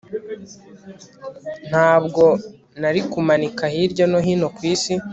Ntabwo nari kumanika hirya no hino kwisi